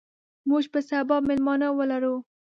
موږ به سبا میلمانه ولرو.